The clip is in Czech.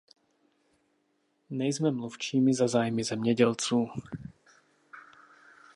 Nejsme mluvčími za zájmy zemědělců.